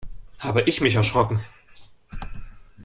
Habe ich mich erschrocken!